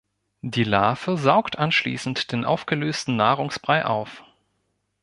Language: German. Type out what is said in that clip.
Die Larve saugt anschließend den aufgelösten Nahrungsbrei auf.